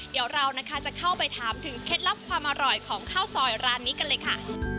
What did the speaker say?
เดี๋ยวเรานะคะจะเข้าไปถามถึงเคล็ดลับความอร่อยของข้าวซอยร้านนี้กันเลยค่ะ